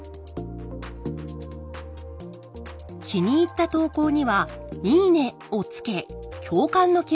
気に入った投稿には「いいね」をつけ共感の気持ちを伝えます。